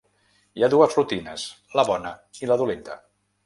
Hi ha dues rutines, la bona i la dolenta.